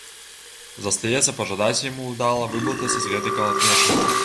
Застаецца пажадаць яму ўдала выблытацца з гэтай калатнечы.